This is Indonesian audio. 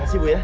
makasih bu ya